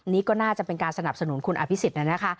นี่ก็น่าจะเป็นการสนับสนุนคุณอภิษฎนะคะ